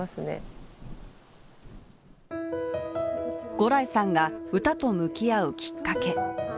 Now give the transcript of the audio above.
牛来さんが歌と向き合うきっかけ。